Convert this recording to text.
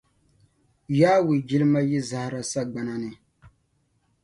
Yawɛ jilima yi zahara sagbana ni.